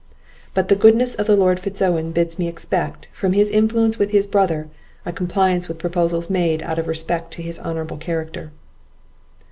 But the goodness of the Lord Fitz Owen bids me expect, from his influence with his brother, a compliance with proposals made out of respect to his honourable character."